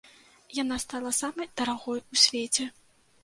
Яна стала самай дарагой у свеце.